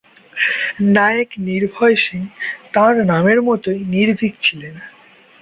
নায়েক নির্ভয় সিং তাঁর নামের মতোই নির্ভীক ছিলেন।